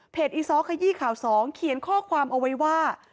อีซ้อขยี้ข่าว๒เขียนข้อความเอาไว้ว่า